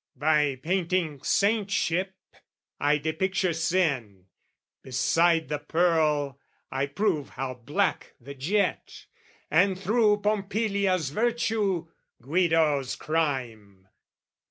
By painting saintship I depicture sin, Beside the pearl, I prove how black the jet, And through Pompilia's virtue, Guido's crime.